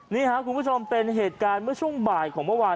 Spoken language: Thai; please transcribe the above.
นี่ครับคุณผู้ชมเป็นเหตุการณ์เมื่อช่วงบ่ายของเมื่อวาน